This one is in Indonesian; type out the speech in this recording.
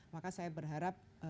maka saya berharap